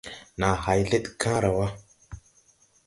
Nàa hay leɗ kããra wà.